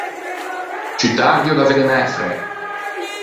Ciù tardi ò da vedde mæ fræ.